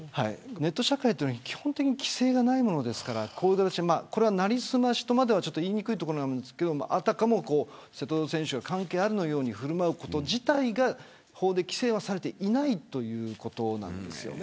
ネット社会は基本的に規制がないものですからこれは、なりすましとまでは言いにくいところなんですがあたかも瀬戸選手が関係あるかのようにふるまうこと自体が法で規制はされていないということなんです。